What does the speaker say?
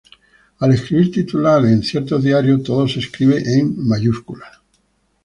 Al escribir titulares en ciertos diarios todo se escribe en mayúsculas.